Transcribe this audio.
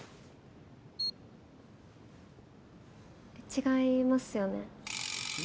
違いますよね。